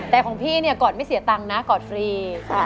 แต่ของพี่เนี่ยกอดไม่เสียตังค์นะกอดฟรี